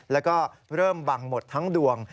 แล้วก็เริ่มบังหมดทั้งดวง